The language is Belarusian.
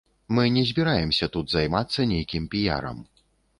Мы не збіраемся тут займацца нейкім піярам.